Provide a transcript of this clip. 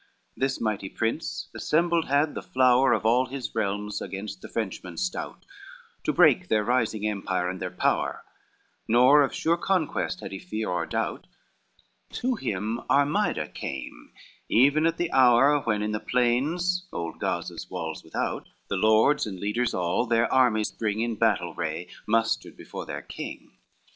IX This mighty prince assembled had the flower Of all his realms, against the Frenchmen stout, To break their rising empire and their power, Nor of sure conquest had he fear or doubt: To him Armida came, even at the hour When in the plains, old Gaza's walls without, The lords and leaders all their armies bring In battle ray, mustered before their king.